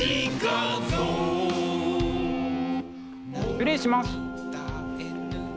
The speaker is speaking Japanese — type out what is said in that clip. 失礼します。